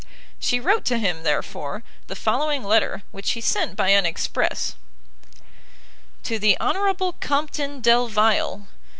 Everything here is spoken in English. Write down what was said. She wrote to him, therefore, the following letter, which she sent by an express. _To the Hon. Compton Delvile.